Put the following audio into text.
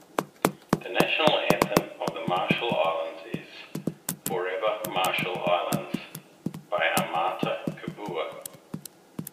The national anthem of the Marshall Islands is "Forever Marshall Islands", by Amata Kabua.